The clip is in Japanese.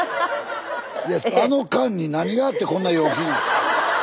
いやあの間に何があってこんな陽気に。